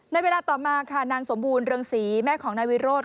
ในเวลาต่อมาค่ะนางสมบูรณเรืองศรีแม่ของนายวิโรธ